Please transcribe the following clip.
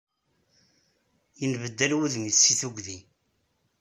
Yenbeddal wudem-is seg tigdi.